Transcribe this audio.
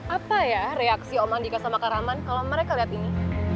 apa ya reaksi oman dika sama karaman kalau mereka lihat ini